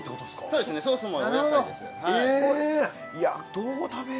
そうですねソースもお野菜です